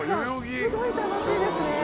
すごい楽しいですね